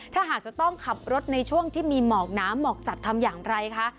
ถ้าหากจะต้องขับรถในช่วงที่มีหมอกน้ำหมอกจัดทำอย่างไรคะ